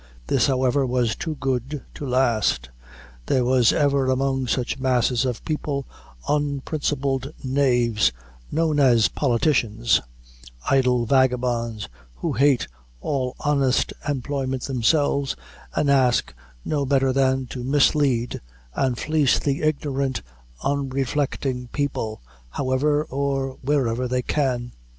This, however, was too good to last. There are ever, among such masses of people, unprincipled knaves, known as "politicians" idle vagabonds, who hate all honest employment themselves, and ask no better than to mislead and fleece the ignorant unreflecting people, however or wherever they can.